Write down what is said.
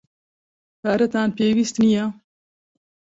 پارەتان پێویست نییە.